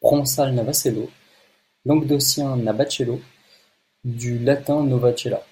Provençal Navacello, languedocien Nabacello, du latin nova cella.